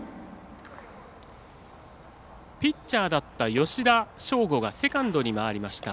ピッチャーだった吉田匠吾がセカンドに回りました。